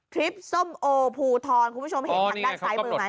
คลิปส้มโอภูทรคุณผู้ชมเห็นทางด้านซ้ายมือไหม